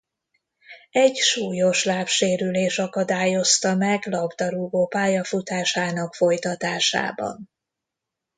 Egy súlyos lábsérülés akadályozta meg labdarúgó pályafutásának folytatásában.